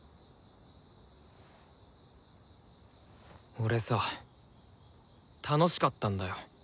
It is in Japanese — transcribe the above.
俺さ楽しかったんだよ。